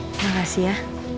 terima kasih ya